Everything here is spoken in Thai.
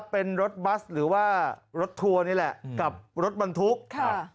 เป็นรถบัสหรือว่ารถทัวร์นี่แหละกับรถบรรทุกค่ะ